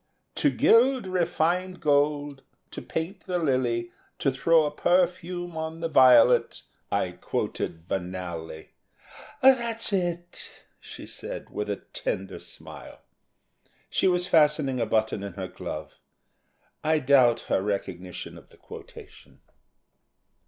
"To gild refined gold; to paint the lily, To throw a perfume on the violet " I quoted banally. "That's it," she said, with a tender smile. She was fastening a button in her glove. I doubt her recognition of the quotation.